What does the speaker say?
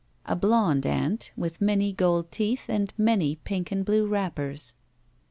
A blond aunt with many gold teeth and many pink and blue wrappers.